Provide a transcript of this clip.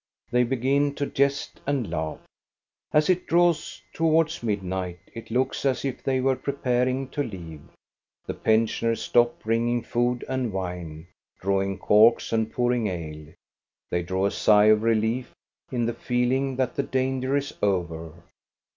They begin to jest and laugh. As it draws towards midnight, it looks as if they were preparing to leave. The pensioners stop bring ing food and wine, drawing corks and pouring ale. They draw a sigh of relief, in the feeling that the danger is over.